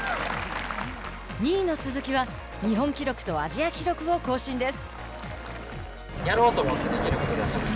２位の鈴木は日本記録とアジア記録を更新です。